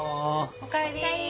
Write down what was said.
おかえり。